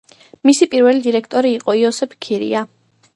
მისი პირველი დირექტორი იყო იოსებ ქირია.